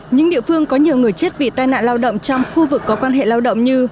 những địa phương có nhiều người chết vì tai nạn lao động trong khu vực có quan hệ lao động như